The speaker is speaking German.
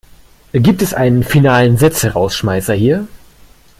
Gibt es einen finalen Sätzerausschmeißer hier?